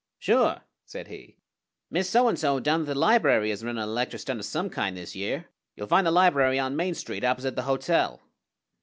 "Sure!" said he. "Miss So and So down at the library is runnin' a lecture stunt of some kind this year. You'll find the library on Main Street, opposite the hotel."